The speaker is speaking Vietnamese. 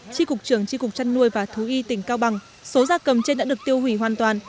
tri cục trường tri cục trăn nuôi và thú y tỉnh cao bằng số da cầm trên đã được tiêu hủy hoàn toàn